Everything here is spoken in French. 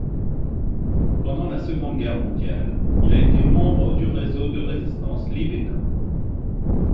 Pendant la Seconde Guerre mondiale, il a été membre du réseau de résistance Libé-Nord.